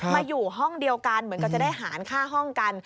มาอยู่ห้องเดียวกันเหมือนกับจะได้หารค่าห้องกัน